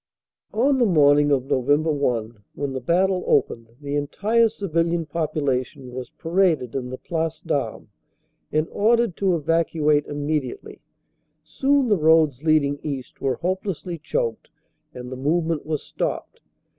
On the morning of Nov. 1, when the battle opened, the entire civilian population was paraded in the Place d Armes and ordered to evacuate immediately. Soon the roads leading east were hopelessly choked and the movement was stopped.